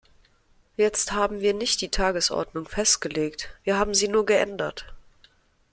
Jetzt haben wir nicht die Tagesordnung festgelegt, wir haben sie nur geändert.